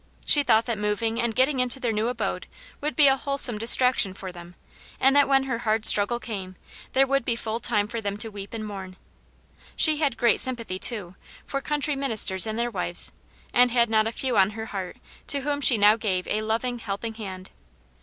She thought that moving and getting into their new abode would be a wholesome distrac tion for them, and that when her hard struggle came, there would be full time for them to weep , and mourn. She had great sympathy, too, for country ministers and their wives, and had not a few on her heart to whom she now gave a loving, helping hand.